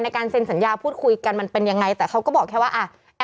การเซ็นสัญญาพูดคุยกันมันเป็นยังไงแต่เขาก็บอกแค่ว่าอ่ะ